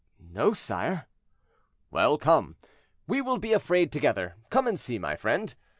"No, sire." "Well, come, we will be afraid together; come and see, my friend.